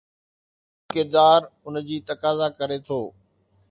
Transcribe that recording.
ان جو آئيني ڪردار ان جي تقاضا ڪري ٿو.